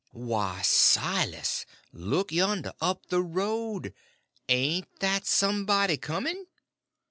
"Why, Silas! Look yonder!—up the road!—ain't that somebody coming?"